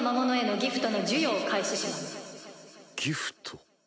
ギフト。